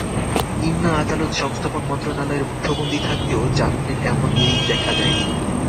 নিম্ন আদালত সংস্থাপন মন্ত্রণালয়ের মুঠোবন্দী থাকতেও জামিনের এমন হিড়িক দেখা যায়নি।